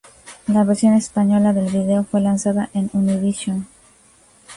La versión española del vídeo fue lanzada en Univision.